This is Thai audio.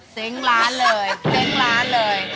เซ็งล้านเลยเซ็งล้านเลย